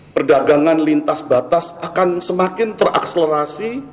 perdagangan lintas batas akan semakin terakselerasi